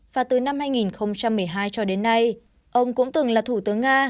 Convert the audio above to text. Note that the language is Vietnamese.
và từ năm hai nghìn một mươi hai cho đến nay ông cũng từng là thủ tướng nga